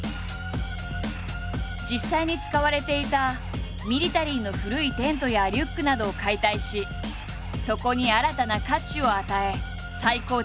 実際に使われていたミリタリーの古いテントやリュックなどを解体しそこに新たな価値を与え再構築。